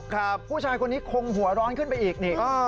ครับผู้ชายคนนี้คงหัวร้อนขึ้นไปอีกนี่